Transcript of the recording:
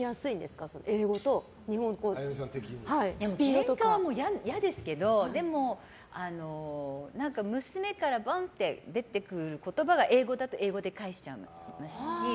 ケンカは嫌ですけどでも、娘からボンと出てくる言葉が英語だと英語で返しちゃいますし。